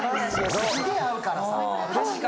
すげぇ会うからさ。